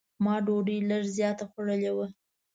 ما ډوډۍ لږ زیاته خوړلې وه.